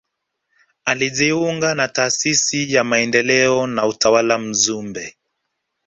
Alijiunga na taasisi ya maendeleo na utawala Mzumbe